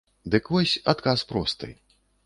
Дык вось, адказ просты.